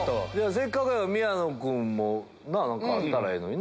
せっかくやから宮野君も何かあったらええのにな。